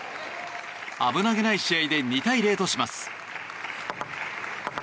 危なげない試合で２対０とします。